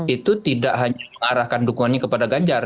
itu tidak hanya mengarahkan dukungannya kepada ganjar